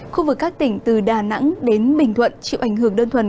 khu vực các tỉnh từ đà nẵng đến bình thuận chịu ảnh hưởng đơn thuần